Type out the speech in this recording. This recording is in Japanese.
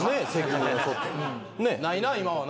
ないな今はな。